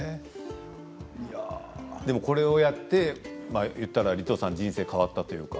これをやって、言ったらリトさん人生が変わったというか。